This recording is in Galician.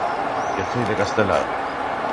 Que foi de Castelao?